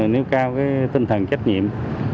nếu cao tinh thần trách nhiệm